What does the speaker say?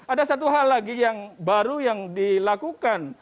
ada satu hal lagi yang baru yang dilakukan